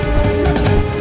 kau tak bisa berpikir pikir